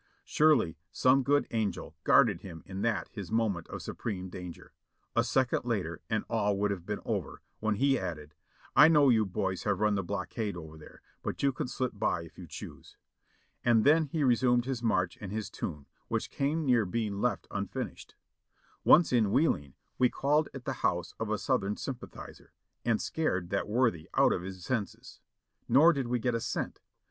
Surely some good angel guarded him in that his moment of supreme danger. A second later and all would have been over, when he added : "I know you boys have run the blockade over there, but you can slip by if you choose." And then he resumed his march and his tune, which came near being left unfinished. Once in Wheeling we called at the house of a Southern sym pathizer and scared that worthy out of his senses ; nor did we get a cent.